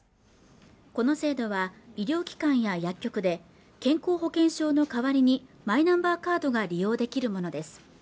この制度は医療機関や薬局で健康保険証の代わりにマイナンバーカードが利用できるものです